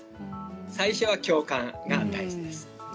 最初は共感が大事です。